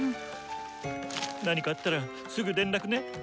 何かあったらすぐ連絡ね。